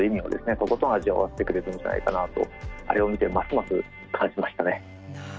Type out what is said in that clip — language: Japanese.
とことん味わわせてくれるんじゃないかなとあれを見てますます感じましたね。